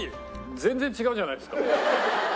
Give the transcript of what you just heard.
全然違うじゃないですか！